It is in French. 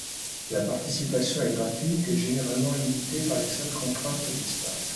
La participation est gratuite et généralement limitée par les seules contraintes d'espace.